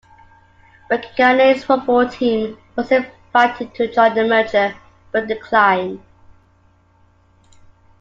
Waikanae's football team was invited to join the merger but declined.